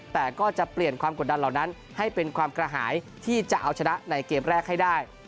แต่ก็จะเปลี่ยนความกดดันเหล่านั้นให้เป็นความกระหายที่จะเอาชนะในเกมแรกให้ได้